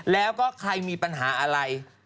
แล้วก็ใครมีปัญหาอะไร